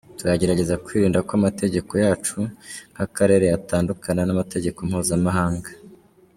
Turagerageza kwirinda ko amategeko yacu nk’akarere yatandukana n’amategeko mpuzamahanga.